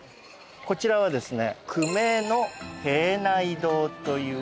こちらはですね。